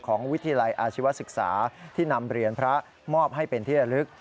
วิทยาลัยอาชีวศึกษาที่นำเหรียญพระมอบให้เป็นที่ระลึก